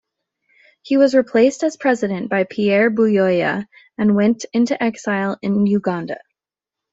He was replaced as president by Pierre Buyoya, and went into exile in Uganda.